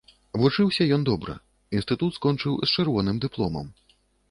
Вучыўся ён добра, інстытут скончыў з чырвоным дыпломам.